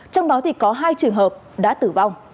trong đó thì có hai trường hợp đã tử vong